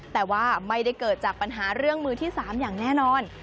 แต่ว่าไม่ได้เกิดจากปัญหาเรื่องมือที่๓อย่างแน่นอน